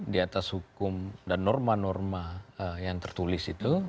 di atas hukum dan norma norma yang tertulis itu